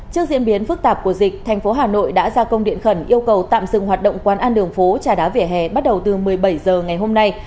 trước diễn biến phức tạp của dịch thành phố hà nội đã ra công điện khẩn yêu cầu tạm dừng hoạt động quán ăn đường phố trà đá vỉa hè bắt đầu từ một mươi bảy h ngày hôm nay